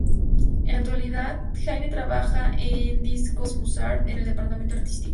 En la actualidad Jaime trabaja en Discos Musart en el departamento artístico.